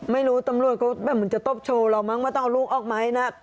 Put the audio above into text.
ไม่รู้ตำรวจก็แบบเหมือนจะตบโชว์เรามั้งว่าต้องเอาลูกออกไหมนะ